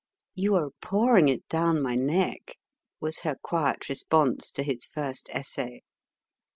"You are pouring it down my neck," was her quiet response to his first essay.